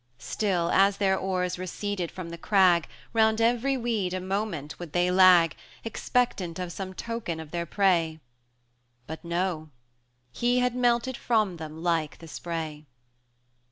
90 Still as their oars receded from the crag, Round every weed a moment would they lag, Expectant of some token of their prey; But no he had melted from them like the spray.